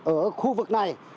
ở khu vực này